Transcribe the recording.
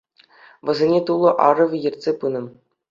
Вӗсене Тулӑ ӑрӑвӗ ертсе пынӑ.